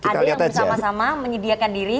ada yang bersama sama menyediakan diri